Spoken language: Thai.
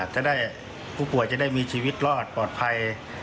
จะได้ผู้ป่วยจะได้มีชีวิตรอดปลอดภัย